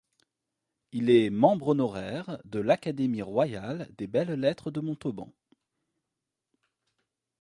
Il est membre honoraire de l'Académie royale des Belles Lettres de Montauban.